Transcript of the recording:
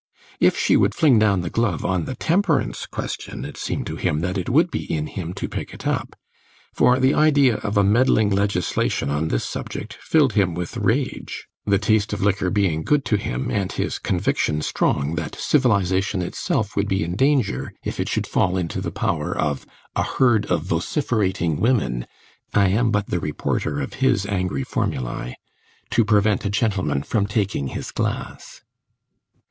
If she would fling down the glove on the temperance question, it seemed to him that it would be in him to pick it up; for the idea of a meddling legislation on this subject filled him with rage; the taste of liquor being good to him, and his conviction strong that civilisation itself would be in danger if it should fall into the power of a herd of vociferating women (I am but the reporter of his angry formulae) to prevent a gentleman from taking his glass.